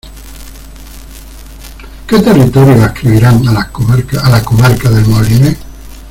¿Qué territorios adscribirán a la comarca del Molinés?